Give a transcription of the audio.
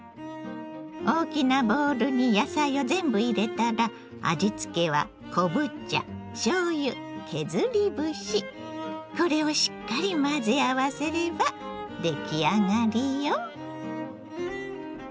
大きなボウルに野菜を全部入れたら味付けはこれをしっかり混ぜ合わせれば出来上がりよ。